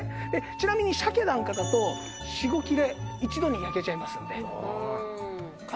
ちなみにシャケなんかだと４５切れ一度に焼けちゃいますので。